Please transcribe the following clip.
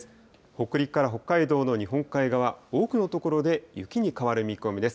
北陸から北海道の日本海側、多くの所で雪に変わる見込みです。